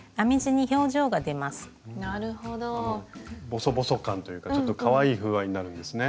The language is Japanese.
ボソボソ感というかちょっとかわいい風合いになるんですね。